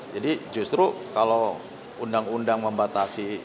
jadi justru kalau undang undang membatasi